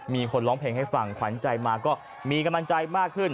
มีกำลังใจมากขึ้น